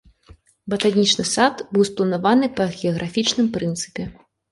Батанічны сад быў спланаваны па геаграфічным прынцыпе.